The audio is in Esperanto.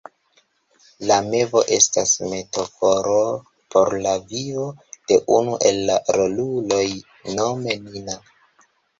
La mevo estas metaforo por la vivo de unu el la roluloj, nome Nina.